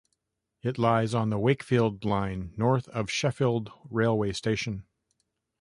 It lies on the Wakefield Line north of Sheffield railway station.